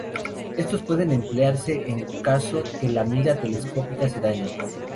Estos pueden emplearse en caso que la mira telescópica se dañe.